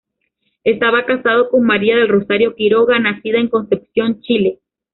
Estaba casado con María del Rosario Quiroga, nacida en Concepción, Chile.